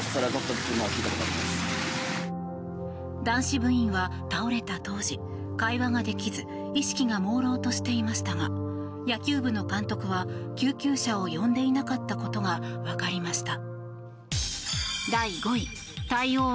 男子部員は倒れた当時会話ができず意識がもうろうとしていましたが野球部の監督は救急車を呼んでいなかったことが分かりました。